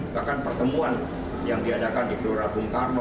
bahkan pertemuan yang diadakan di gelora bung karno